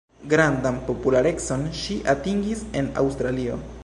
Grandan popularecon ŝi atingis en Aŭstralio.